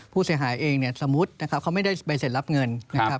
ผู้เสียหายเองสมมุติเขาไม่ได้ใบเสร็จรับเงิน